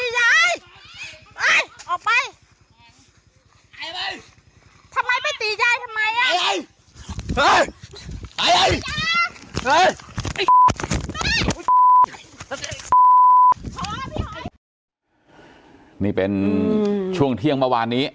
นี่เป็นช่วงเที่ยงเมื่อวานนี้